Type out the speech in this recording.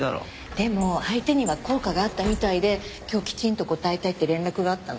でも相手には効果があったみたいで今日きちんと答えたいって連絡があったの。